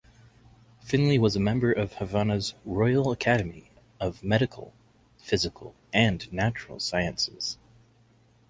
Finlay was a member of Havana's Royal Academy of Medical, Physical and Natural Sciences.